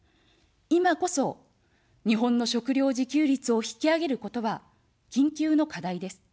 いまこそ、日本の食料自給率を引き上げることは、緊急の課題です。